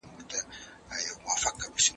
د نورو په ژوند کي مداخله ولي خطرناکه ده؟